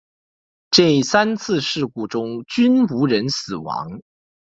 这三次事故中均无人死亡。